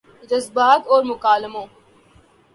جذبات اور مکالموں